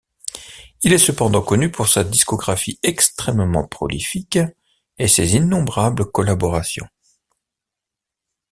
Il est cependant connu pour sa discographie extrêmement prolifique et ses innombrables collaborations.